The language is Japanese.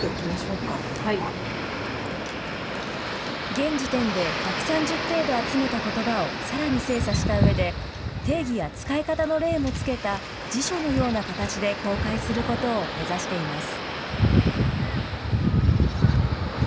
現時点で１３０程度集めたことばをさらに精査したうえで、定義や使い方の例もつけた辞書のような形で公開することを目指しています。